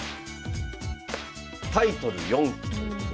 「タイトル４期」ということで。